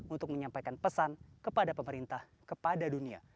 untuk menyampaikan pesan kepada pemerintah kepada dunia